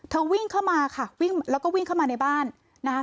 วิ่งเข้ามาค่ะวิ่งแล้วก็วิ่งเข้ามาในบ้านนะคะ